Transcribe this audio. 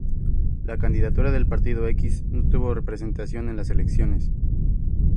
La candidatura del Partido X no obtuvo representación en las elecciones.